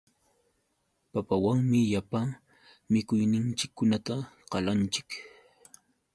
Papawanmi llapa mikuyninchikkunata qalanchik.